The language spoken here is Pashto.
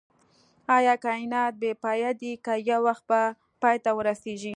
ايا کائنات بی پایه دی که يو وخت به پای ته ورسيږئ